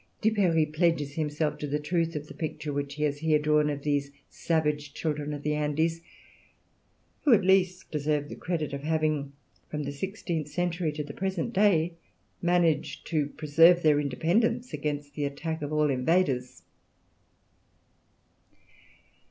Duperrey pledges himself to the truth of the picture which he has here drawn of these savage children of the Andes, who at least deserve the credit of having from the sixteenth century to the present day managed to preserve their independence against the attacks of all invaders.